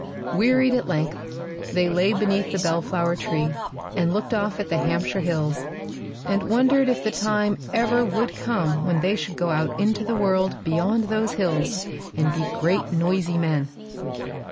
Wearied at length, they lay beneath the bellflower tree and looked off at the Hampshire hills, and wondered if the time ever would come when they should go out into the world beyond those hills and be great, noisy men.